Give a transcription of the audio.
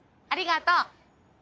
ありがとう。